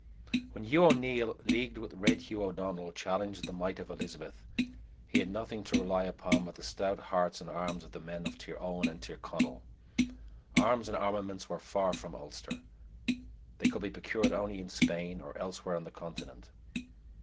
When Hugh O'Neill, leagued with Red Hugh O'Donnell, challenged the might of Elizabeth, he had nothing to rely upon but the stout hearts and arms of the men of Tir owen and Tir Conail. Arms and armaments were far from Ulster. They could be procured only in Spain or elsewhere on the continent.